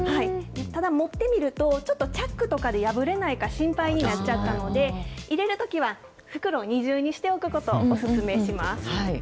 ただ、持ってみると、ちょっとチャックとかで破れないか心配になっちゃったので、入れるときは、袋二重にしておくことをお勧めします。